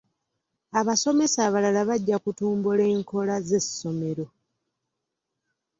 Abasomesa abalala bajja kutumbula enkola z'essomero.